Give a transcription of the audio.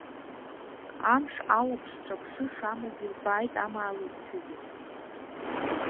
Амш алаԥш-ҿаԥшы шамаз илбааит амаалықьцәагьы.